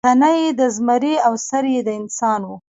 تنه یې د زمري او سر یې د انسان و.